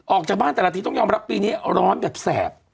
ออกจากบ้านแต่ละทีต้องยอมรับปีนี้ร้อนแบบแสบ